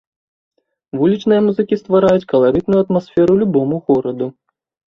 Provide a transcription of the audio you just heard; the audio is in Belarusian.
Вулічныя музыкі ствараюць каларытную атмасферу любому гораду.